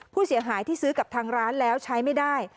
ผู้เสียหายที่ซื้อกับทางร้านแล้วใช้ไม่ได้